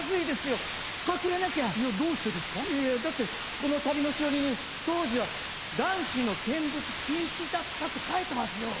いやいやだってこの旅のしおりに「当時は男子の見物禁止だった」って書いてますよ！